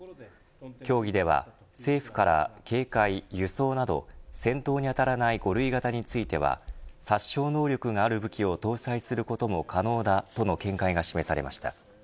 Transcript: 協議では政府から警戒、輸送など戦闘に当たらない５類型については殺傷能力がある武器を搭載することも可能だとの見解が示されました。